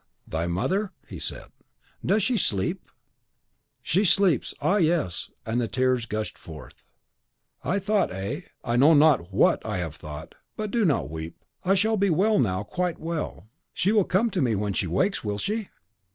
"Thy mother?" he said. "Does she sleep?" "She sleeps, ah, yes!" and the tears gushed forth. "I thought eh! I know not WHAT I have thought. But do not weep: I shall be well now, quite well. She will come to me when she wakes, will she?"